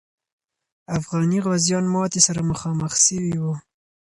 افغاني غازیان ماتي سره مخامخ سوي وو.